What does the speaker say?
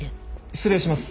失礼します。